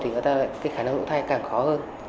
thì khả năng hữu thai càng khó hơn